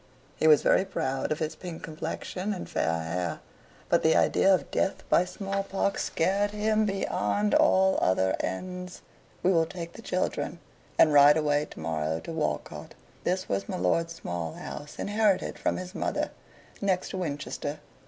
He was very proud of his pink complexion and fair hair but the idea of death by small pox scared him beyond all other ends. "We will take the children and ride away to morrow to Walcote:" this was my lord's small house, inherited from his mother, near to Winchester.